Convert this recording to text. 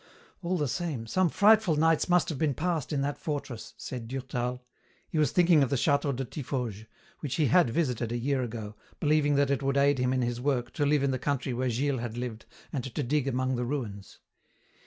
"All the same, some frightful nights must have been passed in that fortress," said Durtal. He was thinking of the château de Tiffauges, which he had visited a year ago, believing that it would aid him in his work to live in the country where Gilles had lived and to dig among the ruins.